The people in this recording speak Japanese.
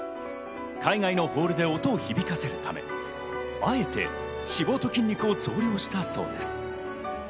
海外のホールで音を響かせるため、あえて脂肪と筋肉を増量したそうです。